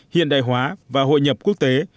hiện đại hóa và hội nhập quốc tế